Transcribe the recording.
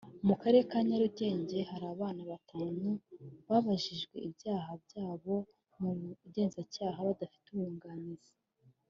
mu karere ka Nyarugenge hari abana batanu babajijwe ibyaha byabo mu Bugenzacyaha badafite abunganizi